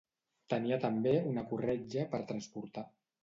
Tenia també una corretja per transportar.